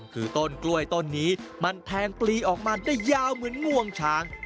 คือต้นกล้วยต้นนี้มันแทงปลีออกมาได้ยาวเหมือนงวงช้าง